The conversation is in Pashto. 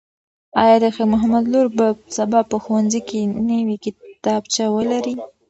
ایا د خیر محمد لور به سبا په ښوونځي کې نوې کتابچه ولري؟